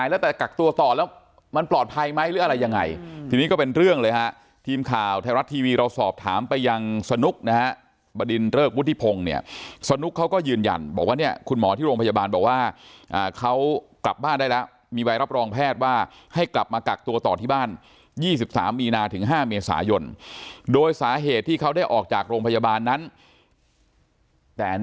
แล้วแต่กักตัวต่อแล้วมันปลอดภัยไหมหรืออะไรยังไงทีนี้ก็เป็นเรื่องเลยฮะทีมข่าวไทยรัฐทีวีเราสอบถามไปยังสนุกนะฮะบดินเริกวุฒิพงศ์เนี่ยสนุกเขาก็ยืนยันบอกว่าเนี่ยคุณหมอที่โรงพยาบาลบอกว่าเขากลับบ้านได้แล้วมีใบรับรองแพทย์ว่าให้กลับมากักตัวต่อที่บ้าน๒๓มีนาถึง๕เมษายนโดยสาเหตุที่เขาได้ออกจากโรงพยาบาลนั้นแต่